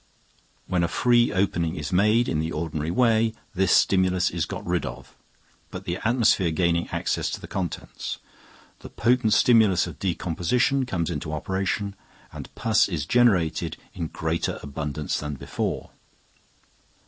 When a free opening is made in the ordinary way, this stimulus is got rid of, but the atmosphere gaining access to the contents, the potent stimulus of decomposition comes into operation, and pus is generated in greater abundance than before.